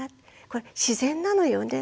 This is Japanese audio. これ自然なのよね。